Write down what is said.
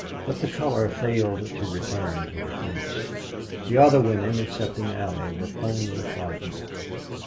But the color failed to return to her face. The other women, excepting Allie, were plainly frightened.